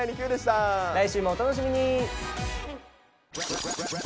来週もお楽しみに。